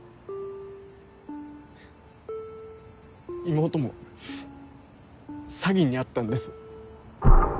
妹も詐欺に遭ったんです。